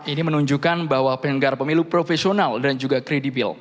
ini menunjukkan bahwa pengelenggara pemilu profesional dan juga kredibil